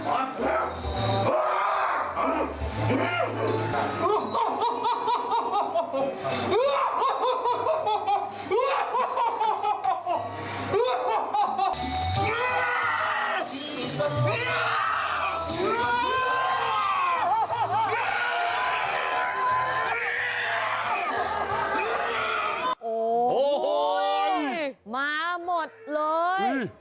โอ้โหมาหมดเลย